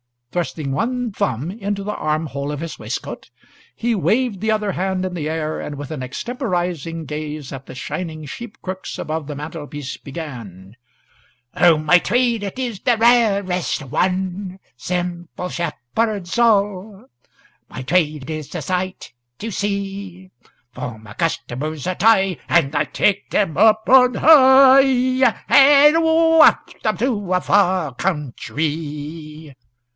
Thrusting one thumb into the armhole of his waistcoat, he waved the other hand in the air, and, with an extemporising gaze at the shining sheep crooks above the mantelpiece, began: "Oh, my trade it is the rarest one, Simple shepherds all, My trade is a sight to see; For my customers I tie, and take them up on high, And waft 'em to a far countree."